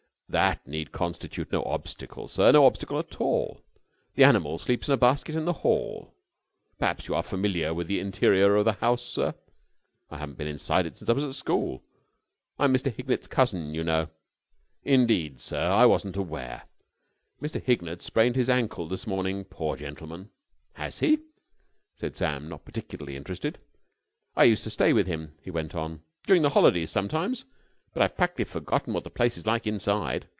"That need constitute no obstacle, sir; no obstacle at all. The animal sleeps in a basket in the hall.... Perhaps you are familiar with the interior of the house, sir?" "I haven't been inside it since I was at school. I'm Mr. Hignett's cousin, you know." "Indeed, sir? I wasn't aware. Mr. Hignett sprained his ankle this morning, poor gentleman." "Has he?" said Sam, not particularly interested. "I used to stay with him," he went on, "during the holidays sometimes, but I've practically forgotten what the place is like inside.